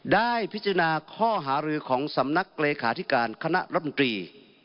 ได้พิจารณาข้อหารือของสำนักเลขาธิการคณะรัฐมนตรี